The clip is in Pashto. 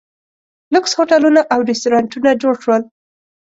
لوکس هوټلونه او ریسټورانټونه جوړ شول.